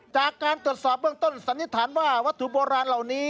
จากการตรวจสอบเบื้องต้นสันนิษฐานว่าวัตถุโบราณเหล่านี้